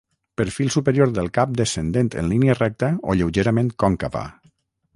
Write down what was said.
Perfil superior del cap descendent en línia recta o lleugerament còncava.